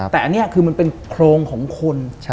แต่อันนี้คือมันเป็นโครงของคน